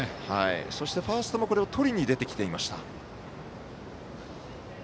そして、ファーストもこれをとりに出てきていました。